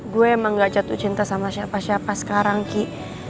gue emang gak jatuh cinta sama siapa siapa sekarang ki